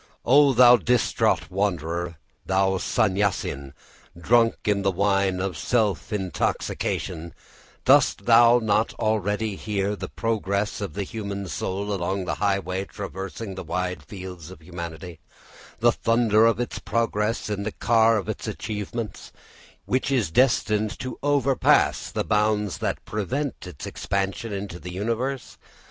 O thou distraught wanderer, thou Sannyasin, drunk in the wine of self intoxication, dost thou not already hear the progress of the human soul along the highway traversing the wide fields of humanity the thunder of its progress in the car of its achievements, which is destined to overpass the bounds that prevent its expansion into the universe?